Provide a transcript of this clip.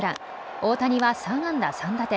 大谷は３安打３打点。